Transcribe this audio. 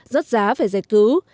rất giá phải giải cứu